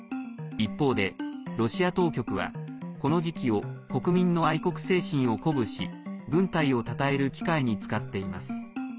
一方で、ロシア当局はこの時期を国民の愛国精神を鼓舞し軍隊をたたえる機会に使っています。